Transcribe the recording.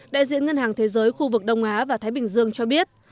đại diện ngân hàng thế giới khu vực đông á và thái bình dương cho biết